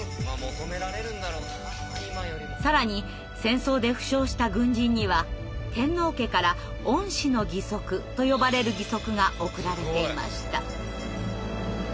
更に戦争で負傷した軍人には天皇家から「恩賜の義足」と呼ばれる義足が贈られていました。